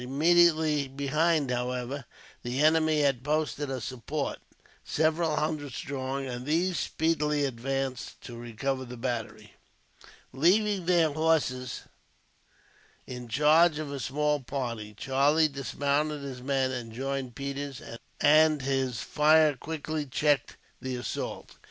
Immediately behind, however, the enemy had posted a support, several hundred strong, and these speedily advanced to recover the battery. Leaving their horses in charge of a small party, Charlie dismounted his men and joined Peters, and his fire quickly checked the assault.